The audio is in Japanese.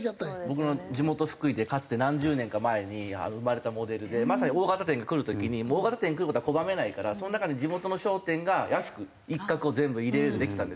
僕の地元福井でかつて何十年か前に生まれたモデルでまさに大型店がくる時に大型店くる事は拒めないからその中に地元の商店が安く一角を全部入れられるようにできたんですよね。